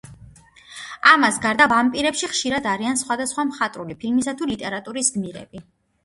ამას გარდა, ვამპირები ხშირად არიან სხვადასხვა მხატვრული ფილმისა თუ ლიტერატურის გმირები.